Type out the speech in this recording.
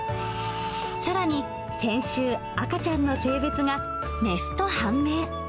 さらに、先週、赤ちゃんの性別が雌と判明。